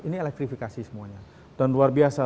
ini elektrifikasi semuanya dan luar biasa